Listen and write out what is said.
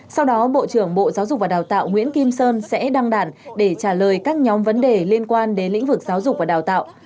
sau đó bộ trưởng bộ giáo dục và đào tạo nguyễn kim sơn sẽ đăng đàn để trả lời các nhóm vấn đề liên quan đến lĩnh vực giáo dục và đào tạo